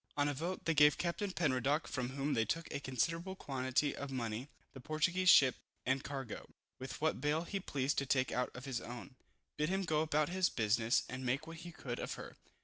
On a vote, they gave Captain Penruddock (from whom they took a considerable quantity of money) the Portuguese ship and cargo, with what bale he pleased to take out of his own, bid him go about his business, and make what he could of her.